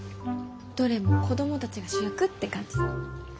どれも子供たちが主役って感じで。